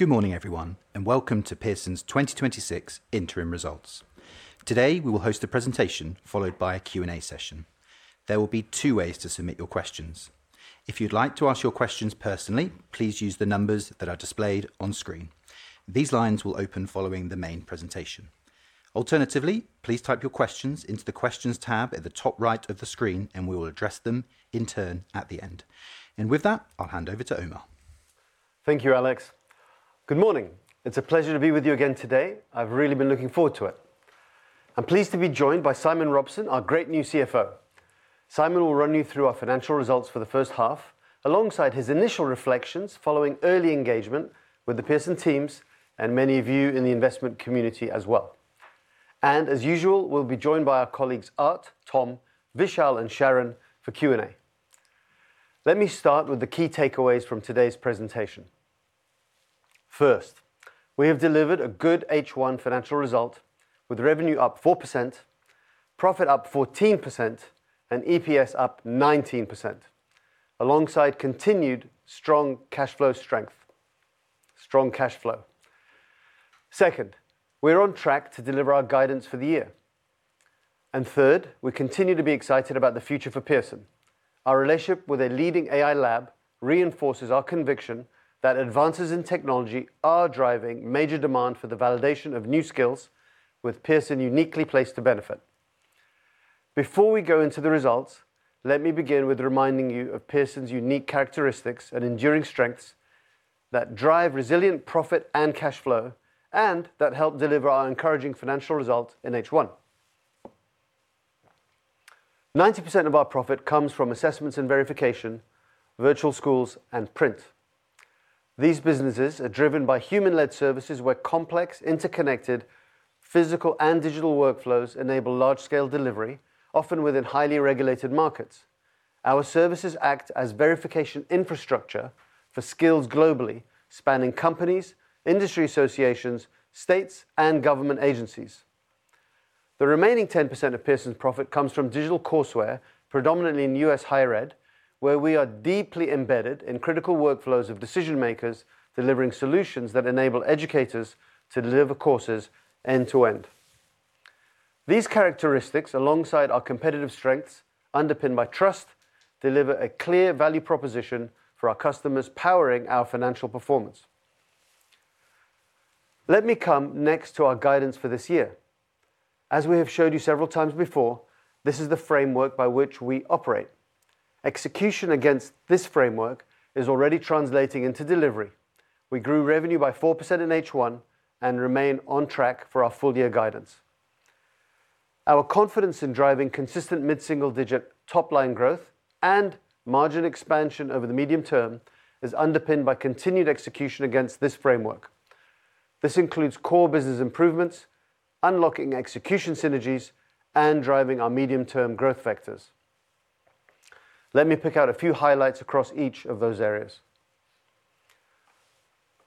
Good morning, everyone, welcome to Pearson 2026 interim results. Today, we will host a presentation followed by a Q&A session. There will be two ways to submit your questions. If you'd like to ask your questions personally, please use the numbers that are displayed on screen. These lines will open following the main presentation. Alternatively, please type your questions into the Questions tab at the top right of the screen, and we will address them in turn at the end. With that, I'll hand over to Omar. Thank you, Alex. Good morning. It's a pleasure to be with you again today. I've really been looking forward to it. I'm pleased to be joined by Simon Robson, our great new CFO. Simon will run you through our financial results for the first half, alongside his initial reflections following early engagement with the Pearson teams and many of you in the investment community as well. As usual, we'll be joined by our colleagues, Art, Tom, Vishaal, and Sharon for Q&A. Let me start with the key takeaways from today's presentation. First, we have delivered a good H1 financial result with revenue up 4%, profit up 14%, and EPS up 19%, alongside continued strong cash flow strength. Second, we're on track to deliver our guidance for the year. Third, we continue to be excited about the future for Pearson. Our relationship with a leading AI lab reinforces our conviction that advances in technology are driving major demand for the validation of new skills, with Pearson uniquely placed to benefit. Before we go into the results, let me begin with reminding you of Pearson's unique characteristics and enduring strengths that drive resilient profit and cash flow, that help deliver our encouraging financial result in H1. 90% of our profit comes from assessments and verification, virtual schools, and print. These businesses are driven by human-led services where complex, interconnected physical and digital workflows enable large-scale delivery, often within highly regulated markets. Our services act as verification infrastructure for skills globally, spanning companies, industry associations, states, and government agencies. The remaining 10% of Pearson's profit comes from digital courseware, predominantly in U.S. higher ed, where we are deeply embedded in critical workflows of decision-makers, delivering solutions that enable educators to deliver courses end-to-end. These characteristics, alongside our competitive strengths underpinned by trust, deliver a clear value proposition for our customers, powering our financial performance. Let me come next to our guidance for this year. As we have showed you several times before, this is the framework by which we operate. Execution against this framework is already translating into delivery. We grew revenue by 4% in H1 and remain on track for our full year guidance. Our confidence in driving consistent mid-single digit top-line growth and margin expansion over the medium term is underpinned by continued execution against this framework. This includes core business improvements, unlocking execution synergies, and driving our medium-term growth vectors. Let me pick out a few highlights across each of those areas.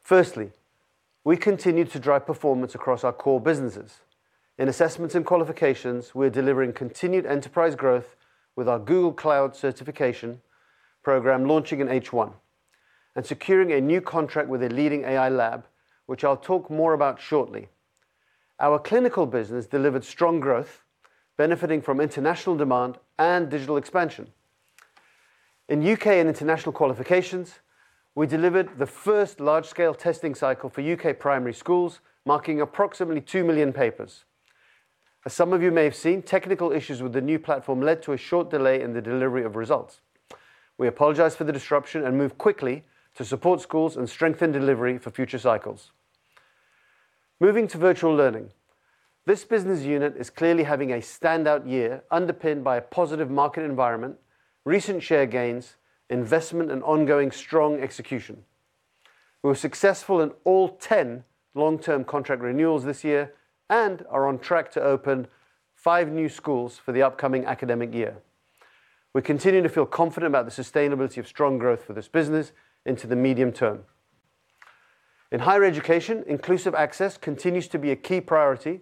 Firstly, we continue to drive performance across our core businesses. In Assessment & Qualifications, we're delivering continued enterprise growth with our Google Cloud certification program launching in H1, and securing a new contract with a leading AI lab, which I'll talk more about shortly. Our clinical assessment business delivered strong growth, benefiting from international demand and digital expansion. In U.K. and international qualifications, we delivered the first large-scale testing cycle for U.K. primary schools, marking approximately 2 million papers. As some of you may have seen, technical issues with the new platform led to a short delay in the delivery of results. We apologize for the disruption and moved quickly to support schools and strengthen delivery for future cycles. Moving to Virtual Learning. This business unit is clearly having a standout year underpinned by a positive market environment, recent share gains, investment, and ongoing strong execution. We were successful in all 10 long-term contract renewals this year and are on track to open five new schools for the upcoming academic year. We're continuing to feel confident about the sustainability of strong growth for this business into the medium term. In Higher Education, Inclusive Access continues to be a key priority,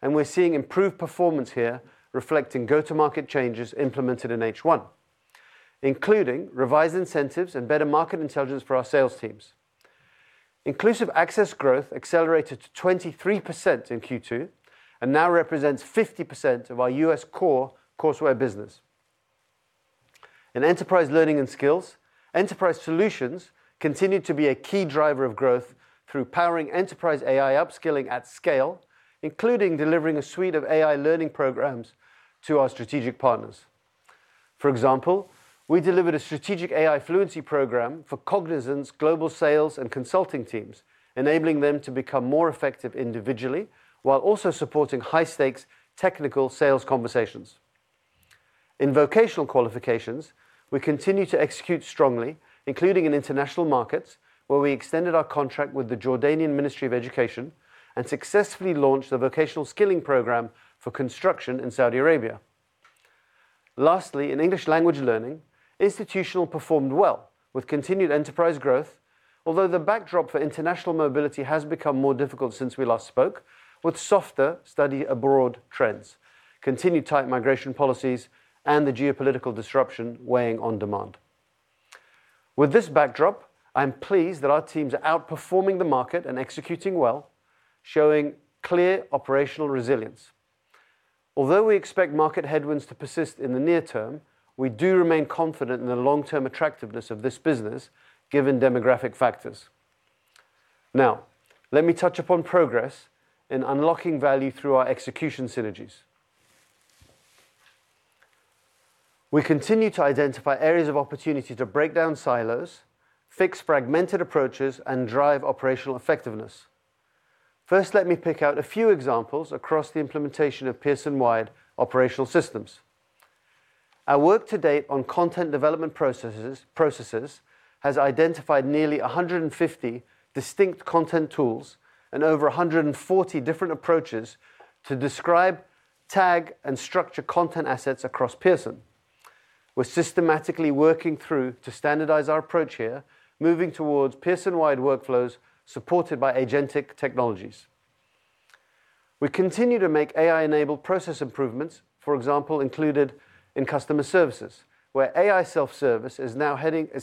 and we're seeing improved performance here reflecting go-to-market changes implemented in H1, including revised incentives and better market intelligence for our sales teams. Inclusive Access growth accelerated to 23% in Q2 and now represents 50% of our U.S. core Courseware business. In Enterprise Learning & Skills, Enterprise Solutions continue to be a key driver of growth through powering enterprise AI upskilling at scale, including delivering a suite of AI learning programs to our strategic partners. For example, we delivered a strategic AI fluency program for Cognizant's global sales and consulting teams, enabling them to become more effective individually while also supporting high-stakes technical sales conversations. In Vocational Qualifications, we continue to execute strongly, including in international markets, where we extended our contract with the Jordanian Ministry of Education and successfully launched a vocational skilling program for construction in Saudi Arabia. Lastly, in English Language Learning, institutional performed well with continued enterprise growth. The backdrop for international mobility has become more difficult since we last spoke, with softer study abroad trends, continued tight migration policies, and the geopolitical disruption weighing on demand. With this backdrop, I'm pleased that our teams are outperforming the market and executing well, showing clear operational resilience. We expect market headwinds to persist in the near term, we do remain confident in the long-term attractiveness of this business, given demographic factors. Let me touch upon progress in unlocking value through our execution synergies. We continue to identify areas of opportunity to break down silos, fix fragmented approaches, and drive operational effectiveness. Let me pick out a few examples across the implementation of Pearson-wide operational systems. Our work to date on content development processes has identified nearly 150 distinct content tools and over 140 different approaches to describe, tag, and structure content assets across Pearson. We're systematically working through to standardize our approach here, moving towards Pearson-wide workflows supported by agentic technologies. We continue to make AI-enabled process improvements, for example, included in customer services, where AI self-service is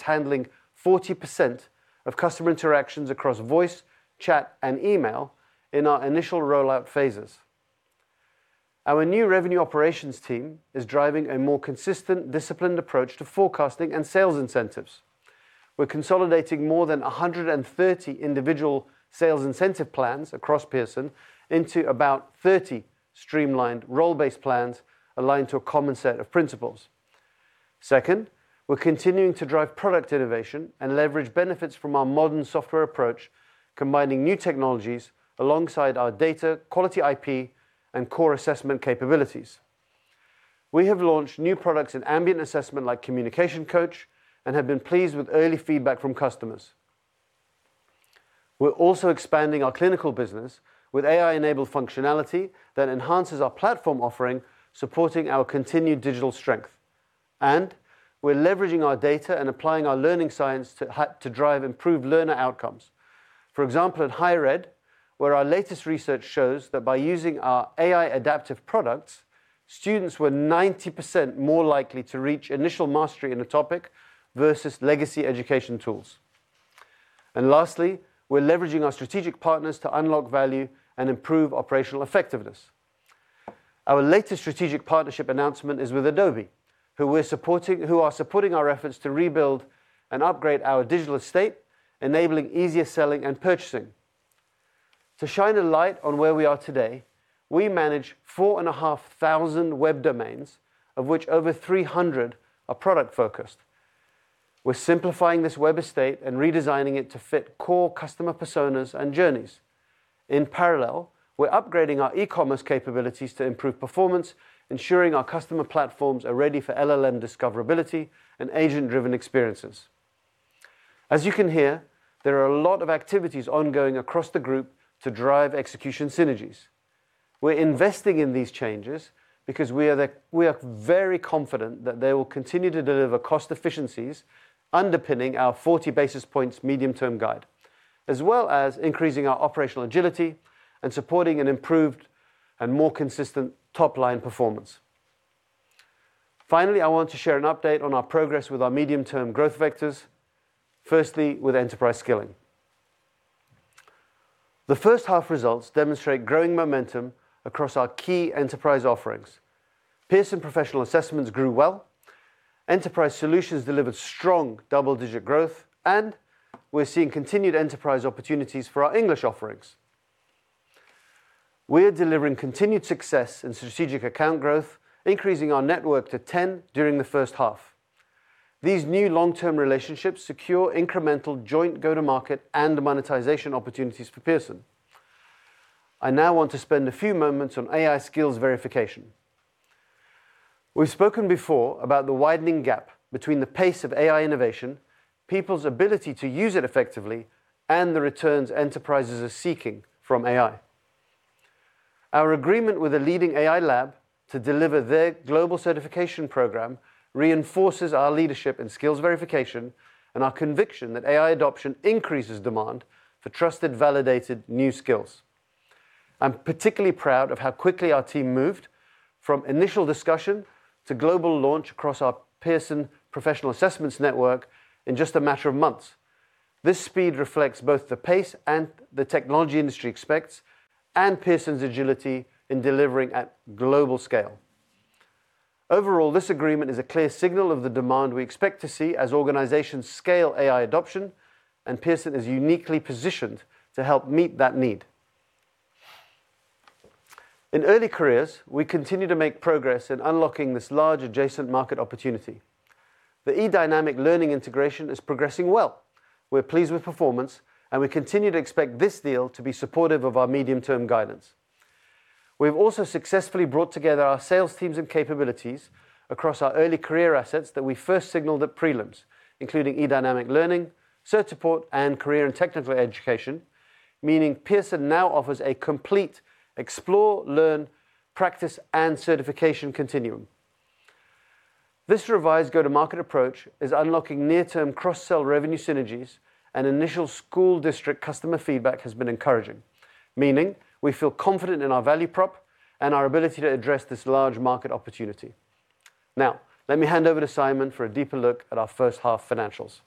handling 40% of customer interactions across voice, chat, and email in our initial rollout phases. Our new revenue operations team is driving a more consistent, disciplined approach to forecasting and sales incentives. We're consolidating more than 130 individual sales incentive plans across Pearson into about 30 streamlined role-based plans aligned to a common set of principles. Second, we're continuing to drive product innovation and leverage benefits from our modern software approach, combining new technologies alongside our data, quality IP, and core assessment capabilities. We have launched new products in ambient assessment, like Communication Coach, and have been pleased with early feedback from customers. We're also expanding our clinical business with AI-enabled functionality that enhances our platform offering, supporting our continued digital strength. We're leveraging our data and applying our learning science to drive improved learner outcomes. For example, at higher ed, where our latest research shows that by using our AI adaptive products, students were 90% more likely to reach initial mastery in a topic versus legacy education tools. Lastly, we're leveraging our strategic partners to unlock value and improve operational effectiveness. Our latest strategic partnership announcement is with Adobe, who are supporting our efforts to rebuild and upgrade our digital estate, enabling easier selling and purchasing. To shine a light on where we are today, we manage 4,500 web domains, of which over 300 are product-focused. We're simplifying this web estate and redesigning it to fit core customer personas and journeys. In parallel, we're upgrading our e-commerce capabilities to improve performance, ensuring our customer platforms are ready for LLM discoverability and agent-driven experiences. As you can hear, there are a lot of activities ongoing across the group to drive execution synergies. We're investing in these changes because we are very confident that they will continue to deliver cost efficiencies underpinning our 40 basis points medium-term guide, as well as increasing our operational agility and supporting an improved and more consistent top-line performance. Finally, I want to share an update on our progress with our medium-term growth vectors, firstly with enterprise skilling. The first half results demonstrate growing momentum across our key enterprise offerings. Pearson Professional Assessments grew well, Enterprise Solutions delivered strong double-digit growth, and we're seeing continued enterprise opportunities for our English offerings. We are delivering continued success in strategic account growth, increasing our network to 10 during the first half. These new long-term relationships secure incremental joint go-to-market and monetization opportunities for Pearson. I now want to spend a few moments on AI skills verification. We've spoken before about the widening gap between the pace of AI innovation, people's ability to use it effectively, and the returns enterprises are seeking from AI. Our agreement with a leading AI lab to deliver their global certification program reinforces our leadership in skills verification and our conviction that AI adoption increases demand for trusted, validated new skills. I'm particularly proud of how quickly our team moved from initial discussion to global launch across our Pearson Professional Assessments network in just a matter of months. This speed reflects both the pace and the technology industry expects and Pearson's agility in delivering at global scale. Overall, this agreement is a clear signal of the demand we expect to see as organizations scale AI adoption, and Pearson is uniquely positioned to help meet that need. In early careers, we continue to make progress in unlocking this large adjacent market opportunity. The eDynamic Learning integration is progressing well. We are pleased with performance, and we continue to expect this deal to be supportive of our medium-term guidance. We have also successfully brought together our sales teams and capabilities across our early career assets that we first signaled at Prelims, including eDynamic Learning, Certiport, and Career and Technical Education, meaning Pearson now offers a complete explore, learn, practice, and certification continuum. This revised go-to-market approach is unlocking near-term cross-sell revenue synergies, and initial school district customer feedback has been encouraging, meaning we feel confident in our value prop. Our ability to address this large market opportunity. Now, let me hand over to Simon for a deeper look at our first-half financials.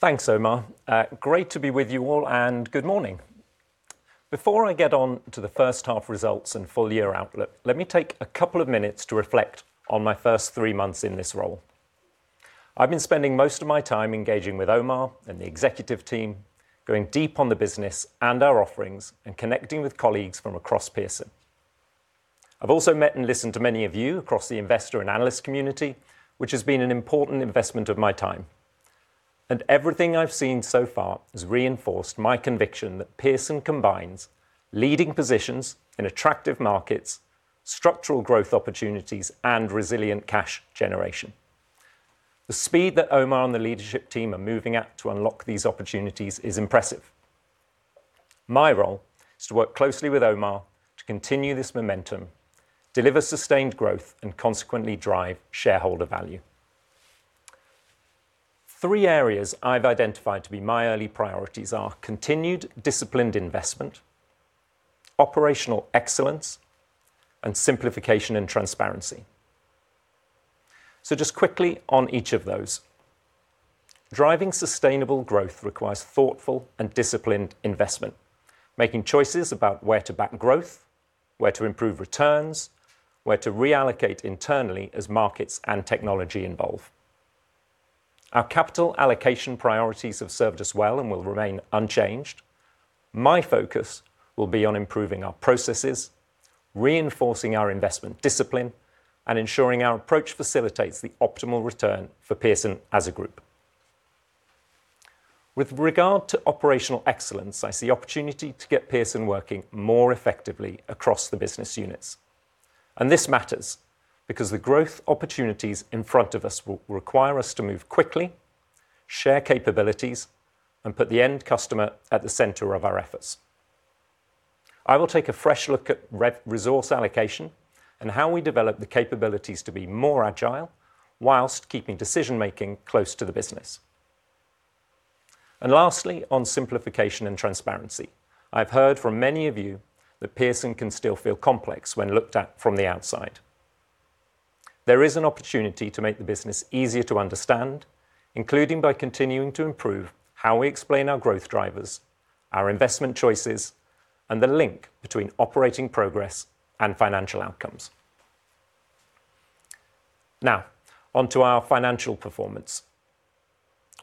Thanks, Omar. Great to be with you all. Good morning. Before I get on to the first-half results and full-year outlook, let me take a couple of minutes to reflect on my first three months in this role. I have been spending most of my time engaging with Omar and the executive team, going deep on the business and our offerings, and connecting with colleagues from across Pearson. I have also met and listened to many of you across the investor and analyst community, which has been an important investment of my time. Everything I have seen so far has reinforced my conviction that Pearson combines leading positions in attractive markets, structural growth opportunities, and resilient cash generation. The speed that Omar and the leadership team are moving at to unlock these opportunities is impressive. My role is to work closely with Omar to continue this momentum, deliver sustained growth, and consequently drive shareholder value. Three areas I have identified to be my early priorities are continued disciplined investment, operational excellence, and simplification and transparency. Just quickly on each of those. Driving sustainable growth requires thoughtful and disciplined investment, making choices about where to back growth, where to improve returns, where to reallocate internally as markets and technology evolve. Our capital allocation priorities have served us well and will remain unchanged. My focus will be on improving our processes, reinforcing our investment discipline, and ensuring our approach facilitates the optimal return for Pearson as a group. With regard to operational excellence, I see opportunity to get Pearson working more effectively across the business units. This matters because the growth opportunities in front of us will require us to move quickly, share capabilities, and put the end customer at the center of our efforts. I will take a fresh look at resource allocation and how we develop the capabilities to be more agile whilst keeping decision-making close to the business. Lastly, on simplification and transparency. I have heard from many of you that Pearson can still feel complex when looked at from the outside. There is an opportunity to make the business easier to understand, including by continuing to improve how we explain our growth drivers, our investment choices, and the link between operating progress and financial outcomes. Now, onto our financial performance.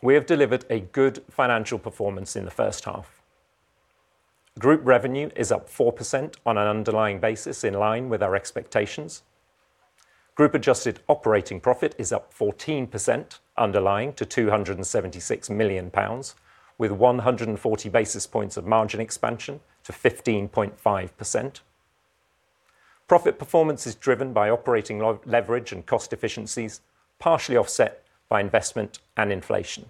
We have delivered a good financial performance in the first half. Group revenue is up 4% on an underlying basis in line with our expectations. Group adjusted operating profit is up 14% underlying to 276 million pounds, with 140 basis points of margin expansion to 15.5%. Profit performance is driven by operating leverage and cost efficiencies, partially offset by investment and inflation.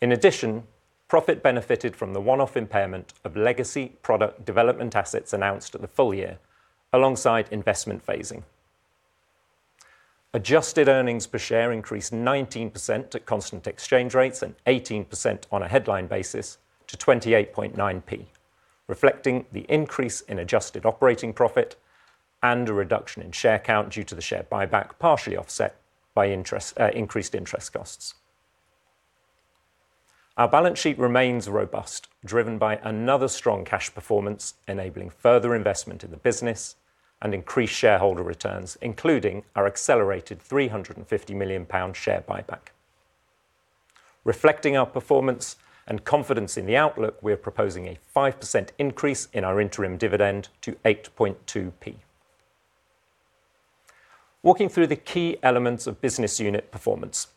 In addition, profit benefited from the one-off impairment of legacy product development assets announced at the full year, alongside investment phasing. Adjusted earnings per share increased 19% at constant exchange rates and 18% on a headline basis to 0.289, reflecting the increase in adjusted operating profit and a reduction in share count due to the share buyback, partially offset by increased interest costs. Our balance sheet remains robust, driven by another strong cash performance, enabling further investment in the business and increased shareholder returns, including our accelerated 350 million pound share buyback. Reflecting our performance and confidence in the outlook, we are proposing a 5% increase in our interim dividend to 0.082. Walking through the key elements of business unit performance.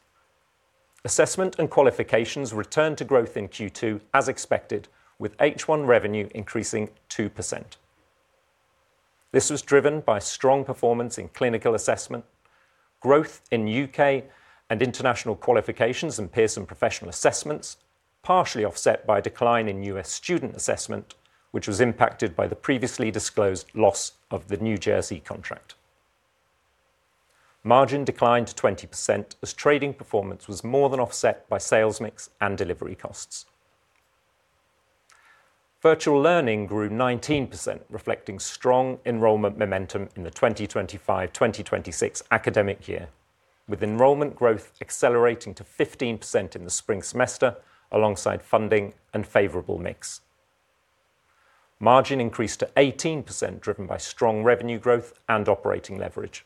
Assessment & Qualifications returned to growth in Q2, as expected, with H1 revenue increasing 2%. This was driven by strong performance in clinical assessment, growth in U.K. and international qualifications and Pearson Professional Assessments, partially offset by a decline in US student assessment, which was impacted by the previously disclosed loss of the New Jersey contract. Margin declined to 20% as trading performance was more than offset by sales mix and delivery costs. Virtual Learning grew 19%, reflecting strong enrollment momentum in the 2025-2026 academic year, with enrollment growth accelerating to 15% in the spring semester, alongside funding and favorable mix. Margin increased to 18%, driven by strong revenue growth and operating leverage.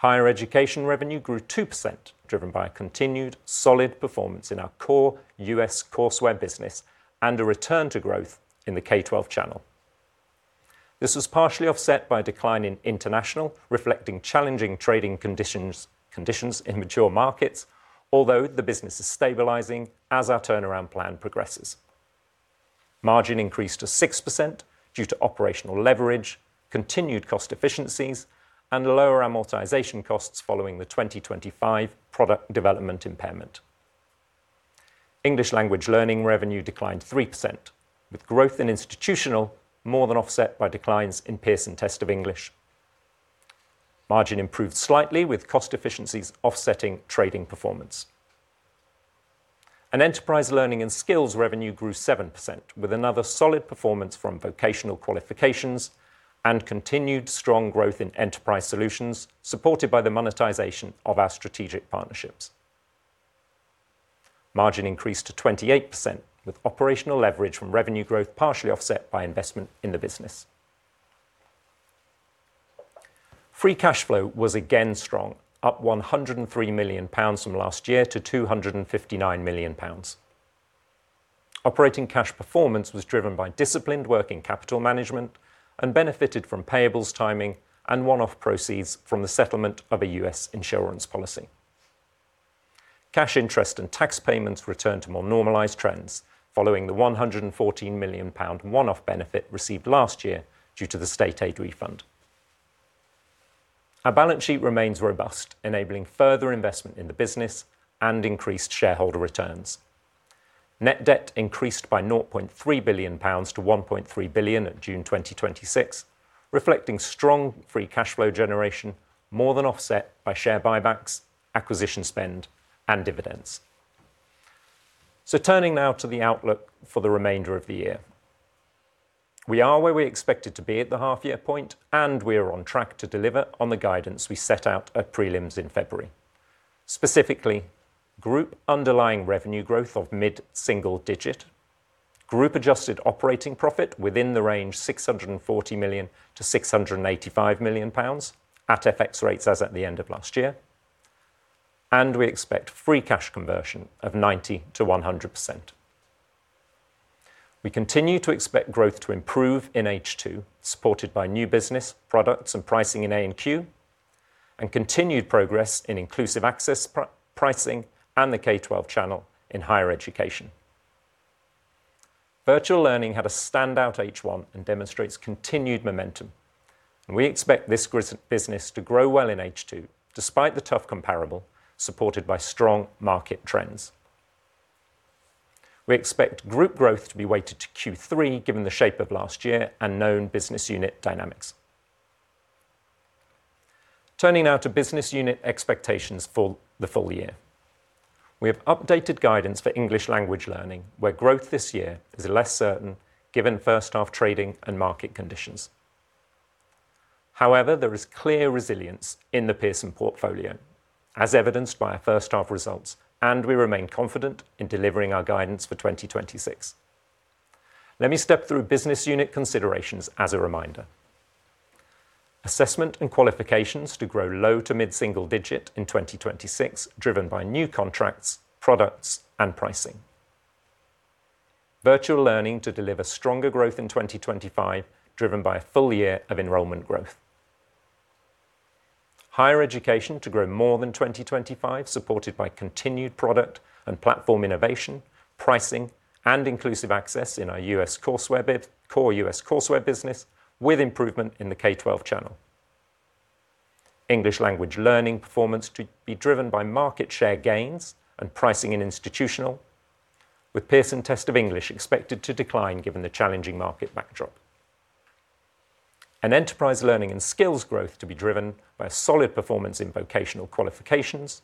Higher Education revenue grew 2%, driven by a continued solid performance in our US Core Courseware business and a return to growth in the K12 channel. This was partially offset by a decline in international, reflecting challenging trading conditions in mature markets, although the business is stabilizing as our turnaround plan progresses. Margin increased to 6% due to operational leverage, continued cost efficiencies, and lower amortization costs following the 2025 product development impairment. English Language Learning revenue declined 3%, with growth in institutional more than offset by declines in Pearson Test of English. Margin improved slightly with cost efficiencies offsetting trading performance. Enterprise Learning & Skills revenue grew 7%, with another solid performance from Vocational Qualifications and continued strong growth in Enterprise Solutions, supported by the monetization of our strategic partnerships. Margin increased to 28%, with operational leverage from revenue growth partially offset by investment in the business. Free cash flow was again strong, up 103 million pounds from last year to 259 million pounds. Operating cash performance was driven by disciplined working capital management and benefited from payables timing and one-off proceeds from the settlement of a U.S. insurance policy. Cash interest and tax payments returned to more normalized trends, following the 114 million pound one-off benefit received last year due to the state aid refund. Our balance sheet remains robust, enabling further investment in the business and increased shareholder returns. Net debt increased by 0.3 billion-1.3 billion pounds at June 2026, reflecting strong free cash flow generation more than offset by share buybacks, acquisition spend, and dividends. Turning now to the outlook for the remainder of the year. We are where we expected to be at the half-year point, and we are on track to deliver on the guidance we set out at prelims in February. Specifically, group underlying revenue growth of mid-single digit, group adjusted operating profit within the range 640 million-685 million pounds, at FX rates as at the end of last year. We expect free cash conversion of 90%-100%. We continue to expect growth to improve in H2, supported by new business, products, and pricing in A&Q and continued progress in Inclusive Access pricing and the K12 channel in Higher Education. Virtual Learning had a standout H1 and demonstrates continued momentum, and we expect this business to grow well in H2, despite the tough comparable, supported by strong market trends. We expect group growth to be weighted to Q3, given the shape of last year and known business unit dynamics. Turning now to business unit expectations for the full year. We have updated guidance for English Language Learning, where growth this year is less certain given first half trading and market conditions. There is clear resilience in the Pearson portfolio, as evidenced by our first half results, and we remain confident in delivering our guidance for 2026. Let me step through business unit considerations as a reminder. Assessment & Qualifications to grow low to mid-single digit in 2026, driven by new contracts, products, and pricing. Virtual Learning to deliver stronger growth in 2025, driven by a full year of enrollment growth. Higher Education to grow more than 2025, supported by continued product and platform innovation, pricing, and Inclusive Access in our core US Courseware business, with improvement in the K12 channel. English Language Learning performance to be driven by market share gains and pricing in institutional, with Pearson Test of English expected to decline given the challenging market backdrop. Enterprise Learning & Skills growth to be driven by a solid performance in Vocational Qualifications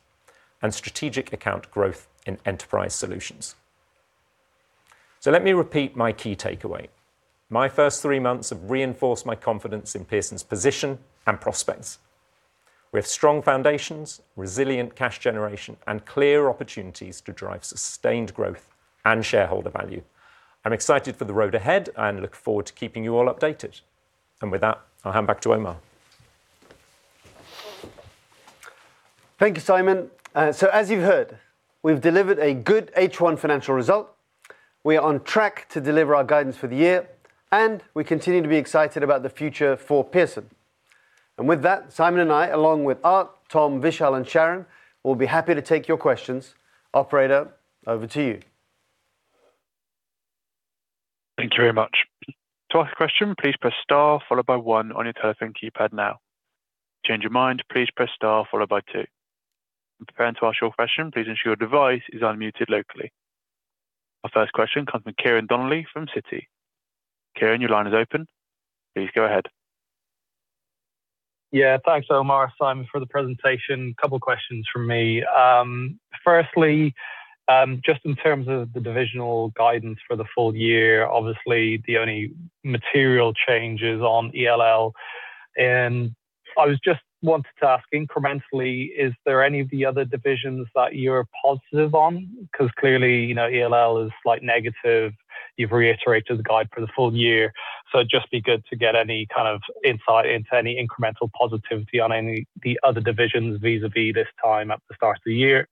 and strategic account growth in Enterprise Solutions. Let me repeat my key takeaway. My first three months have reinforced my confidence in Pearson's position and prospects. We have strong foundations, resilient cash generation, and clear opportunities to drive sustained growth and shareholder value. I'm excited for the road ahead and look forward to keeping you all updated. With that, I'll hand back to Omar. Thank you, Simon. As you've heard, we've delivered a good H1 financial result. We are on track to deliver our guidance for the year, and we continue to be excited about the future for Pearson. With that, Simon and I, along with Art, Tom, Vishaal, and Sharon, will be happy to take your questions. Operator, over to you. Thank you very much. To ask a question, please press star, followed by one on your telephone keypad now. Change your mind, please press star followed by two. Prepare to ask your question, please ensure your device is unmuted locally. Our first question comes from Ciarán Donnelly from Citi. Ciarán, your line is open. Please go ahead. Thanks, Omar, Simon, for the presentation. Couple questions from me. Firstly, just in terms of the divisional guidance for the full year, obviously, the only material change is on ELL. I just wanted to ask incrementally, is there any of the other divisions that you are positive on? Because clearly, ELL is slightly negative. You have reiterated the guide for the full year, so it would just be good to get any kind of insight into any incremental positivity on any of the other divisions vis-a-vis this time at the start of the year.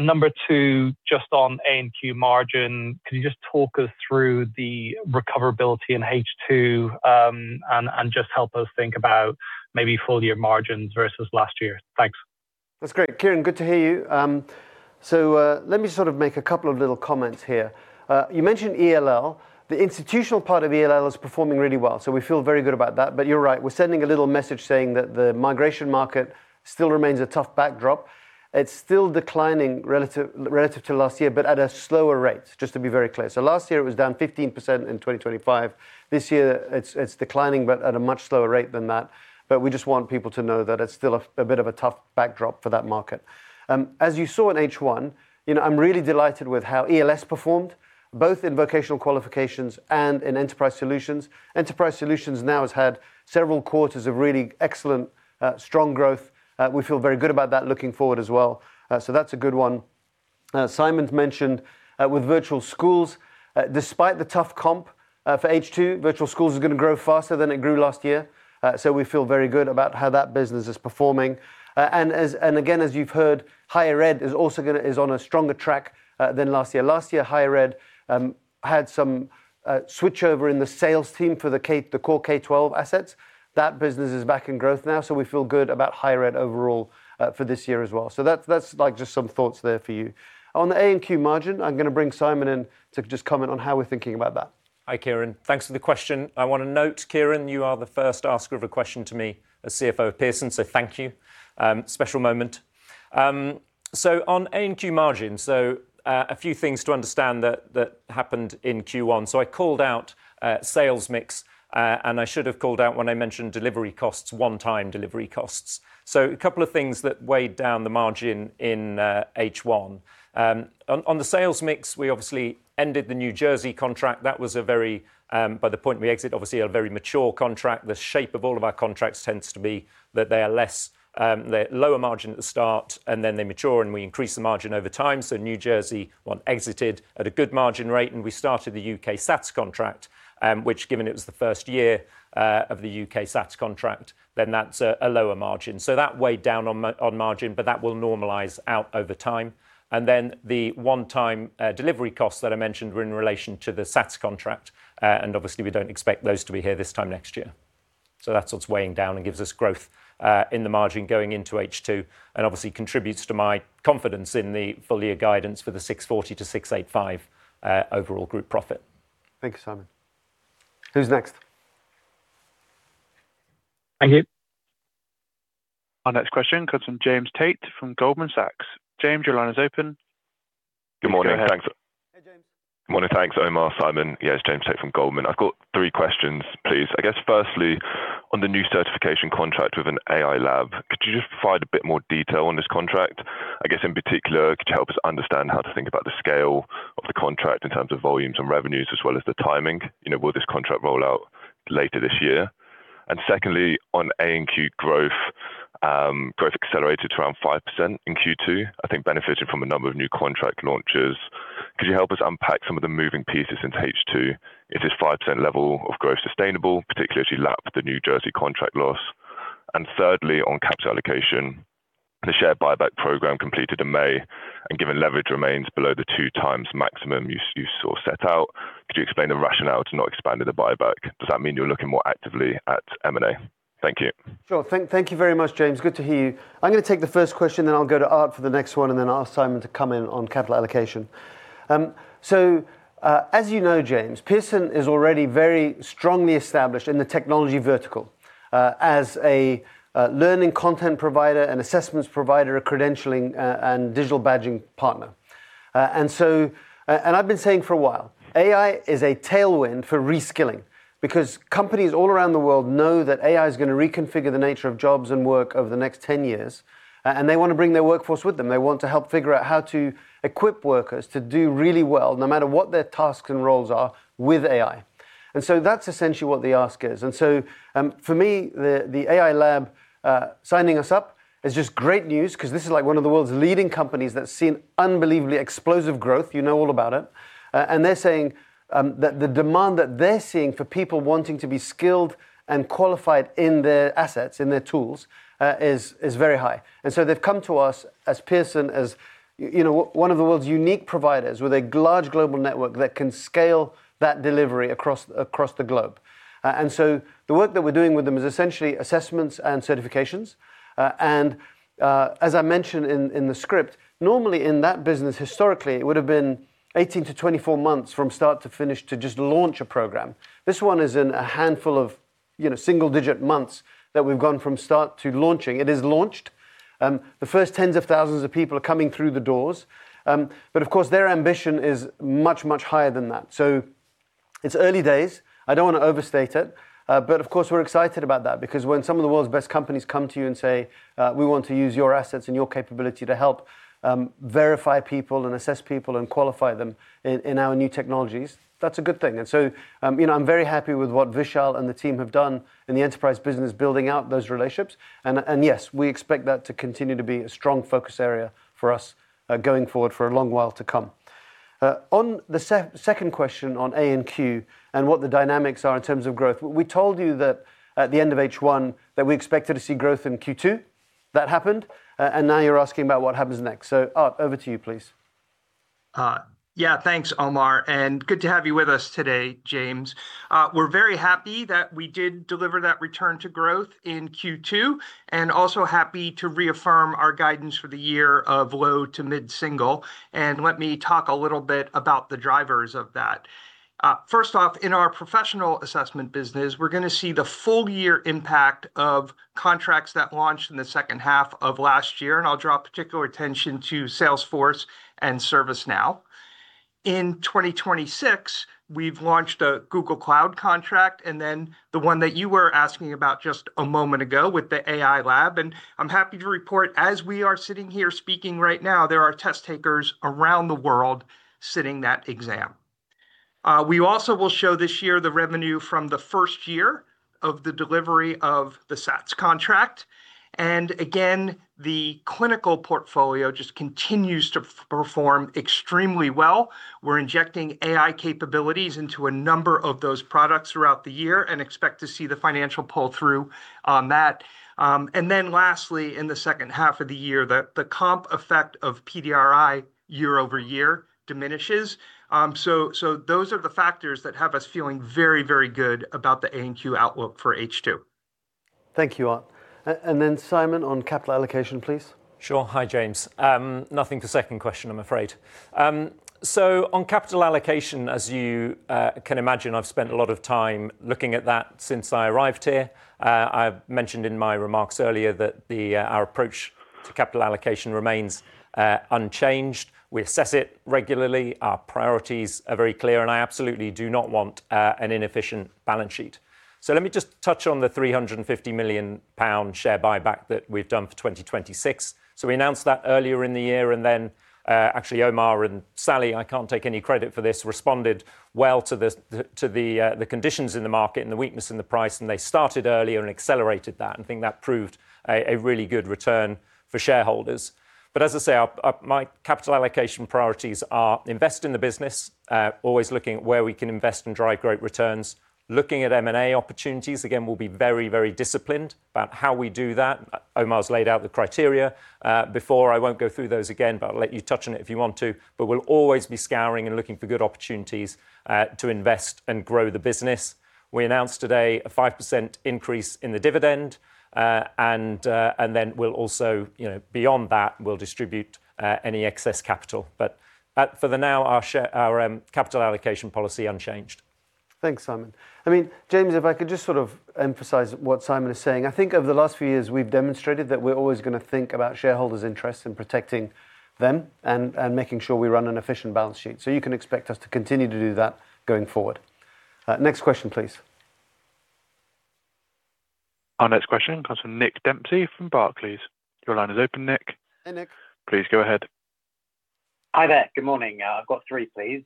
Number two, just on A&Q margin, could you just talk us through the recoverability in H2, and just help us think about maybe full-year margins versus last year? Thanks. That is great. Ciarán, good to hear you. Let me sort of make a couple of little comments here. You mentioned ELL. The institutional part of ELL is performing really well, so we feel very good about that. You are right, we are sending a little message saying that the migration market still remains a tough backdrop. It is still declining relative to last year, but at a slower rate, just to be very clear. Last year it was down 15% in 2025. This year it is declining, but at a much slower rate than that. We just want people to know that it is still a bit of a tough backdrop for that market. As you saw in H1, I am really delighted with how ELS performed, both in Vocational Qualifications and in Enterprise Solutions. Enterprise Solutions now has had several quarters of really excellent, strong growth. We feel very good about that looking forward as well. That is a good one. Simon has mentioned with Virtual Schools, despite the tough comp for H2, Virtual Schools is going to grow faster than it grew last year. We feel very good about how that business is performing. Again, as you have heard, Higher Ed is on a stronger track than last year. Last year, Higher Ed had some switchover in the sales team for the core K12 assets. That business is back in growth now, so we feel good about Higher Ed overall for this year as well. That is just some thoughts there for you. On the A&Q margin, I am going to bring Simon in to just comment on how we are thinking about that. Hi, Ciarán. Thanks for the question. I want to note, Ciarán, you are the first asker of a question to me as CFO of Pearson, so thank you. Special moment. On A&Q margin, a few things to understand that happened in Q1. I called out sales mix, and I should have called out when I mentioned delivery costs, one-time delivery costs. A couple of things that weighed down the margin in H1. On the sales mix, we obviously ended the New Jersey contract. That was, by the point we exit, obviously a very mature contract. The shape of all of our contracts tends to be that they're lower margin at the start, and then they mature, and we increase the margin over time. New Jersey, one exited at a good margin rate, and we started the UK SATs contract, which given it was the first year of the UK SATs contract, that's a lower margin. That weighed down on margin, but that will normalize out over time. The one-time delivery costs that I mentioned were in relation to the SATs contract, and obviously, we don't expect those to be here this time next year. That's what's weighing down and gives us growth, in the margin going into H2, and obviously contributes to my confidence in the full year guidance for the 640-685 overall group profit. Thank you, Simon. Who's next? Thank you. Our next question comes from James Tate from Goldman Sachs. James, your line is open. Good morning. Go ahead. Hey, James. Good morning. Thanks, Omar, Simon. Yeah, it's James Tate from Goldman Sachs. I've got three questions, please. I guess firstly, on the new certification contract with an AI lab, could you just provide a bit more detail on this contract? I guess in particular, could you help us understand how to think about the scale of the contract in terms of volumes and revenues, as well as the timing? Will this contract roll out later this year? Secondly, on A&Q growth accelerated to around 5% in Q2, I think benefiting from a number of new contract launches. Could you help us unpack some of the moving pieces into H2? Is this 5% level of growth sustainable, particularly as you lap the New Jersey contract loss? Thirdly, on capital allocation, the share buyback program completed in May, and given leverage remains below the two times maximum you sort of set out, could you explain the rationale to not expanding the buyback? Does that mean you're looking more actively at M&A? Thank you. Sure. Thank you very much, James. Good to hear you. I'm going to take the first question, then I'll go to Art for the next one, and then ask Simon to come in on capital allocation. As you know, James, Pearson is already very strongly established in the technology vertical, as a learning content provider and assessments provider, a credentialing, and digital badging partner. I've been saying for a while, AI is a tailwind for reskilling because companies all around the world know that AI is going to reconfigure the nature of jobs and work over the next 10 years, and they want to bring their workforce with them. They want to help figure out how to equip workers to do really well no matter what their tasks and roles are with AI. That's essentially what the ask is. For me, the AI lab signing us up is just great news because this is one of the world's leading companies that's seen unbelievably explosive growth, you know all about it. They're saying that the demand that they're seeing for people wanting to be skilled and qualified in their assets, in their tools, is very high. They've come to us as Pearson, as one of the world's unique providers with a large global network that can scale that delivery across the globe. The work that we're doing with them is essentially assessments and certifications. As I mentioned in the script, normally in that business, historically, it would have been 18-24 months from start to finish to just launch a program. This one is in a handful of single-digit months that we've gone from start to launching. It is launched. The first tens of thousands of people are coming through the doors. Of course, their ambition is much, much higher than that. It's early days. I don't want to overstate it, but of course, we're excited about that because when some of the world's best companies come to you and say, "We want to use your assets and your capability to help verify people and assess people and qualify them in our new technologies," that's a good thing. I'm very happy with what Vishaal and the team have done in the enterprise business building out those relationships. Yes, we expect that to continue to be a strong focus area for us, going forward for a long while to come. On the second question on A&Q and what the dynamics are in terms of growth, we told you that at the end of H1 that we expected to see growth in Q2. That happened, now you're asking about what happens next. Art, over to you, please. Thanks, Omar, and good to have you with us today, James. We're very happy that we did deliver that return to growth in Q2, also happy to reaffirm our guidance for the year of low to mid-single. Let me talk a little bit about the drivers of that. First off, in our professional assessment business, we're going to see the full year impact of contracts that launched in the second half of last year, I'll draw particular attention to Salesforce and ServiceNow. In 2026, we've launched a Google Cloud contract, then the one that you were asking about just a moment ago with the AI lab, I'm happy to report, as we are sitting here speaking right now, there are test takers around the world sitting that exam. We also will show this year the revenue from the first year of the delivery of the SATs contract. Again, the clinical portfolio just continues to perform extremely well. We're injecting AI capabilities into a number of those products throughout the year and expect to see the financial pull-through on that. Lastly, in the second half of the year, the comp effect of PDRI year-over-year diminishes. Those are the factors that have us feeling very good about the A&Q outlook for H2. Thank you, Art. Simon, on capital allocation, please. Sure. Hi, James. Nothing to second question, I'm afraid. On capital allocation, as you can imagine, I've spent a lot of time looking at that since I arrived here. I've mentioned in my remarks earlier that our approach to capital allocation remains unchanged. We assess it regularly. Our priorities are very clear, and I absolutely do not want an inefficient balance sheet. Let me just touch on the 350 million pound share buyback that we've done for 2026. We announced that earlier in the year, actually, Omar and Sally, I can't take any credit for this, responded well to the conditions in the market and the weakness in the price, and they started earlier and accelerated that, and I think that proved a really good return for shareholders. As I say, my capital allocation priorities are invest in the business, always looking at where we can invest and drive great returns. Looking at M&A opportunities, again, we'll be very disciplined about how we do that. Omar's laid out the criteria before. I won't go through those again, but I'll let you touch on it if you want to. We'll always be scouring and looking for good opportunities to invest and grow the business. We announced today a 5% increase in the dividend. We'll also, beyond that, we'll distribute any excess capital. For the now, our capital allocation policy unchanged. Thanks, Simon. James, if I could just sort of emphasize what Simon is saying. I think over the last few years, we've demonstrated that we're always going to think about shareholders' interests and protecting them and making sure we run an efficient balance sheet. You can expect us to continue to do that going forward. Next question, please. Our next question comes from Nick Dempsey from Barclays. Your line is open, Nick. Hey, Nick. Please go ahead. Hi there. Good morning. I've got three, please.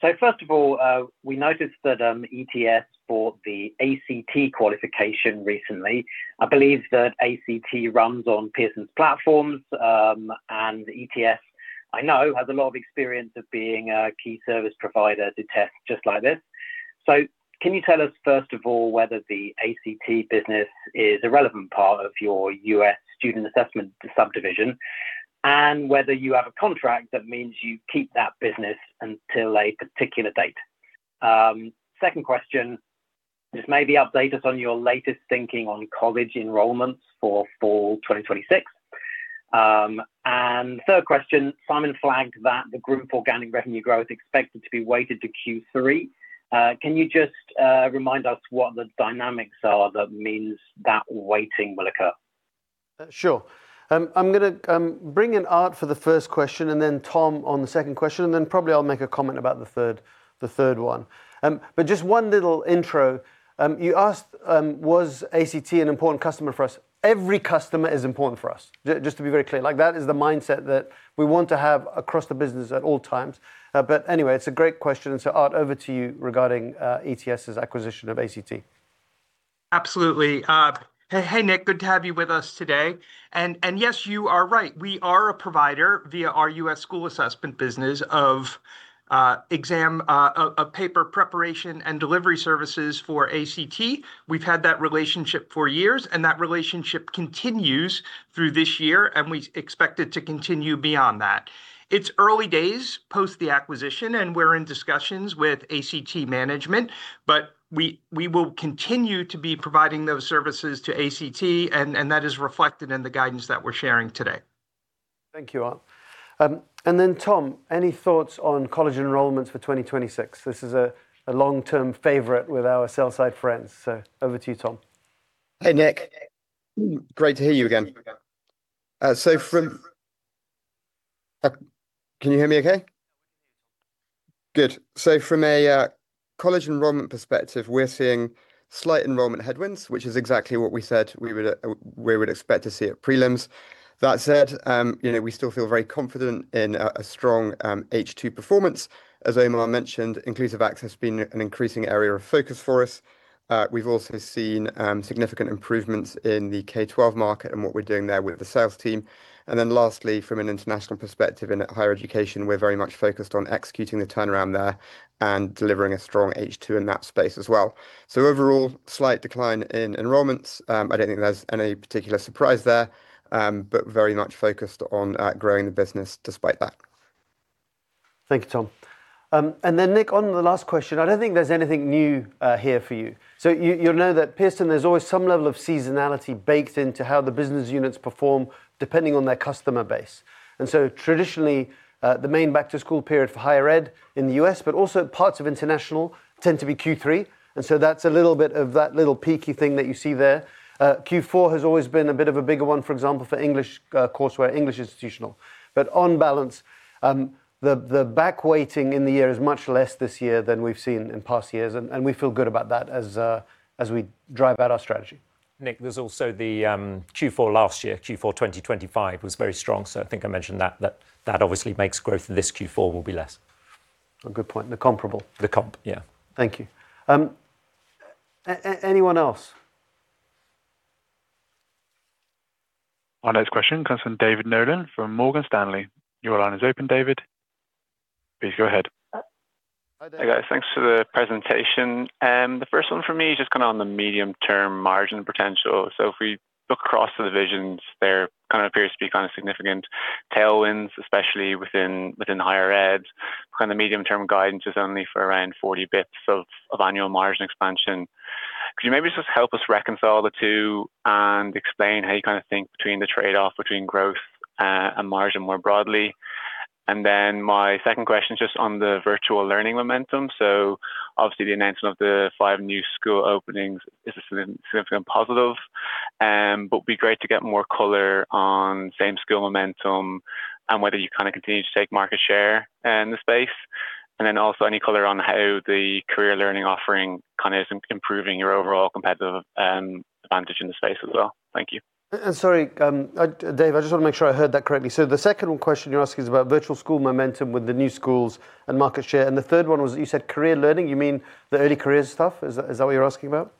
First of all, we noticed that ETS bought the ACT qualification recently. I believe that ACT runs on Pearson's platforms, and ETS, I know, has a lot of experience of being a key service provider to tests just like this. Can you tell us, first of all, whether the ACT business is a relevant part of your U.S. student assessment subdivision, and whether you have a contract that means you keep that business until a particular date? Second question, just maybe update us on your latest thinking on college enrollments for fall 2026. Third question, Simon flagged that the group organic revenue growth expected to be weighted to Q3. Can you just remind us what the dynamics are that means that weighting will occur? Sure. I'm going to bring in Art for the first question, then Tom on the second question, then probably I'll make a comment about the third one. Just one little intro. You asked was ACT an important customer for us. Every customer is important for us. Just to be very clear. That is the mindset that we want to have across the business at all times. Anyway, it's a great question. Art, over to you regarding ETS' acquisition of ACT. Absolutely. Hey, Nick, good to have you with us today. Yes, you are right. We are a provider via our U.S. school assessment business of exam of paper preparation and delivery services for ACT. We've had that relationship for years, and that relationship continues through this year, and we expect it to continue beyond that. It's early days post the acquisition, and we're in discussions with ACT management, but we will continue to be providing those services to ACT, and that is reflected in the guidance that we're sharing today. Thank you, Art. Tom, any thoughts on college enrollments for 2026? This is a long-term favorite with our sell side friends. Over to you, Tom. Hey, Nick. Great to hear you again. Can you hear me okay? Good. From a college enrollment perspective, we're seeing slight enrollment headwinds, which is exactly what we said we would expect to see at prelims. That said, we still feel very confident in a strong H2 performance. As Omar mentioned, Inclusive Access has been an increasing area of focus for us. We've also seen significant improvements in the K12 market and what we're doing there with the sales team. Lastly, from an international perspective in Higher Education, we're very much focused on executing the turnaround there and delivering a strong H2 in that space as well. Overall, slight decline in enrollments. I don't think there's any particular surprise there, but very much focused on growing the business despite that. Thank you, Tom. Nick, on the last question, I don't think there's anything new here for you. You'll know that Pearson, there's always some level of seasonality baked into how the business units perform depending on their customer base. Traditionally, the main back-to-school period for Higher Education in the U.S., but also parts of international, tend to be Q3. That's a little bit of that little peaky thing that you see there. Q4 has always been a bit of a bigger one, for example, for English courseware, English institutional. On balance, the back weighting in the year is much less this year than we've seen in past years, and we feel good about that as we drive out our strategy. Nick, there's also the Q4 last year. Q4 2025 was very strong. I think I mentioned that. That obviously makes growth this Q4 will be less. A good point. The comparable. The comp, yeah. Thank you. Anyone else? Our next question comes from David Nolan from Morgan Stanley. Your line is open, David. Please go ahead. Hi, David. Hi, guys. Thanks for the presentation. The first one for me is just on the medium-term margin potential. If we look across the divisions, there appears to be significant tailwinds, especially within Higher Ed. The medium-term guidance is only for around 40 basis points of annual margin expansion. Could you maybe just help us reconcile the two and explain how you think between the trade-off between growth, and margin more broadly? My second question is just on the Virtual Learning momentum. Obviously the announcement of the five new school openings is a significant positive. It'd be great to get more color on same school momentum and whether you continue to take market share in the space. Also any color on how the career learning offering is improving your overall competitive advantage in the space as well. Thank you. Sorry, Dave, I just want to make sure I heard that correctly. The second question you're asking is about virtual school momentum with the new schools and market share, the third one was, you said career learning, you mean the early careers stuff? Is that what you're asking about?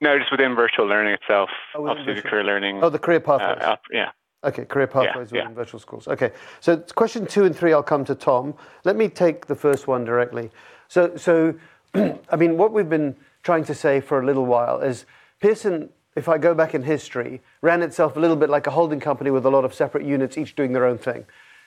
No, just within virtual learning itself. Oh, within- Obviously the career learning- Oh, the career pathways. Yeah. Career pathways. Yeah. Within Virtual Schools. Question two and three, I'll come to Tom. Let me take the first one directly. What we've been trying to say for a little while is Pearson, if I go back in history, ran itself a little bit like a holding company with a lot of separate units, each doing their own thing.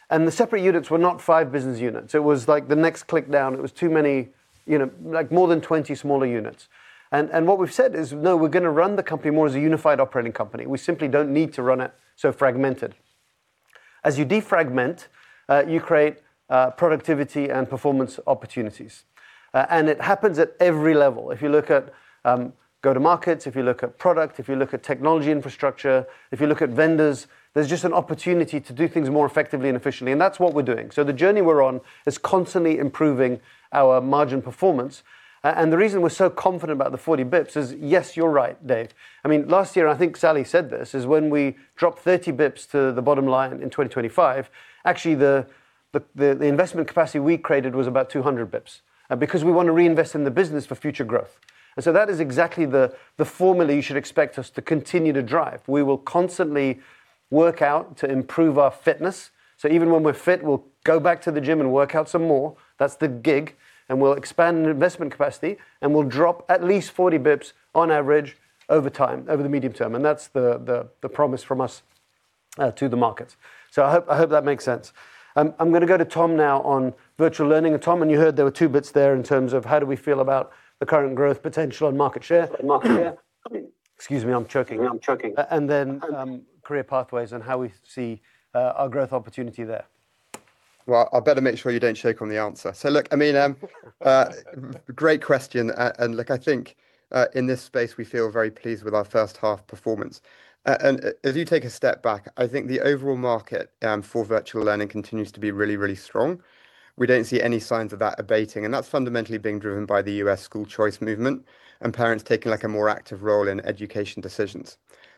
The separate units were not five business units. It was like the next click down. It was too many, more than 20 smaller units. What we've said is, no, we're going to run the company more as a unified operating company. We simply don't need to run it so fragmented. As you defragment, you create productivity and performance opportunities. It happens at every level. If you look at go-to-markets, if you look at product, if you look at technology infrastructure, if you look at vendors, there's just an opportunity to do things more effectively and efficiently. That's what we're doing. The journey we're on is constantly improving our margin performance. The reason we're so confident about the 40 basis points is yes, you're right, Dave. Last year, and I think Sally said this, is when we dropped 30 basis points to the bottom line in 2025, actually the investment capacity we created was about 200 basis points, because we want to reinvest in the business for future growth. That is exactly the formulae you should expect us to continue to drive. We will constantly work out to improve our fitness, so even when we're fit, we'll go back to the gym and work out some more. That's the gig. We'll expand investment capacity. We'll drop at least 40 basis points on average over the medium term. That's the promise from us to the market. I hope that makes sense. I'm going to go to Tom now on Virtual Learning. Tom, you heard there were two bits there in terms of how do we feel about the current growth potential and market share. Excuse me, I'm choking. Career pathways and how we see our growth opportunity there. Well, I better make sure you don't choke on the answer. Great question. I think, in this space, we feel very pleased with our first half performance. As you take a step back, I think the overall market for Virtual Learning continues to be really, really strong. We don't see any signs of that abating, and that's fundamentally being driven by the US School Choice Movement and parents taking a more active role in education decisions.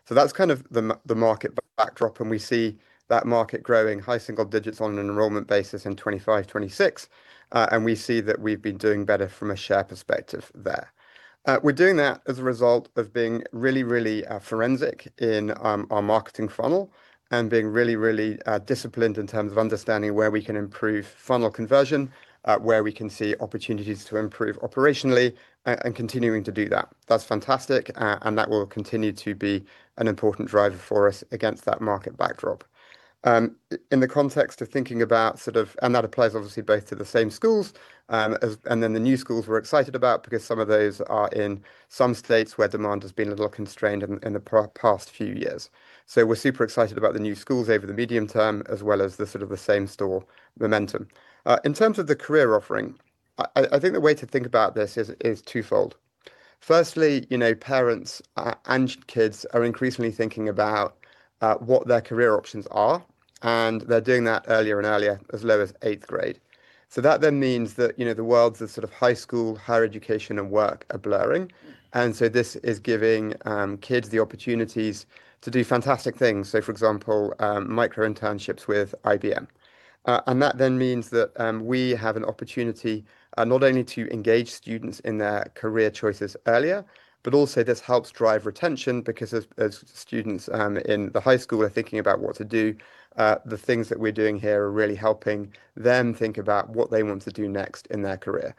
That's the market backdrop, and we see that market growing high single digits on an enrollment basis in 2025, 2026. We see that we've been doing better from a share perspective there. We're doing that as a result of being really, really forensic in our marketing funnel and being really, really disciplined in terms of understanding where we can improve funnel conversion, where we can see opportunities to improve operationally, and continuing to do that. That's fantastic, and that will continue to be an important driver for us against that market backdrop. In the context of thinking about that applies obviously both to the same schools, the new schools we're excited about because some of those are in some states where demand has been a little constrained in the past few years. We're super excited about the new schools over the medium term as well as the same store momentum. In terms of the career offering, I think the way to think about this is twofold. Firstly, parents and kids are increasingly thinking about what their career options are, and they're doing that earlier and earlier, as low as grade eight. That means that the worlds of high school, Higher Education, and work are blurring. This is giving kids the opportunities to do fantastic things, so for example, micro internships with IBM. That means that we have an opportunity not only to engage students in their career choices earlier, but also this helps drive retention because as students in the high school are thinking about what to do, the things that we're doing here are really helping them think about what they want to do next in their career.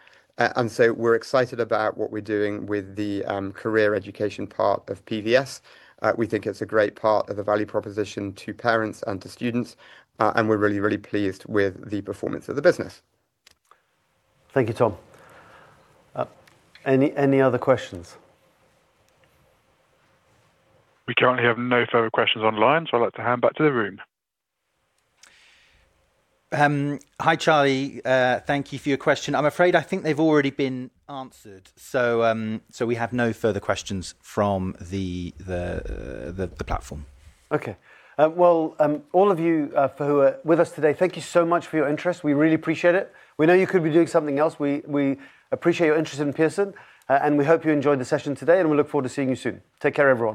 We're excited about what we're doing with the career education part of PVS. We think it's a great part of the value proposition to parents and to students, and we're really pleased with the performance of the business. Thank you, Tom. Any other questions? We currently have no further questions online, so I'd like to hand back to the room. Hi, Charlie. Thank you for your question. I'm afraid I think they've already been answered. We have no further questions from the platform. Okay. Well, all of you for who are with us today, thank you so much for your interest. We really appreciate it. We know you could be doing something else. We appreciate your interest in Pearson, and we hope you enjoyed the session today, and we look forward to seeing you soon. Take care, everyone.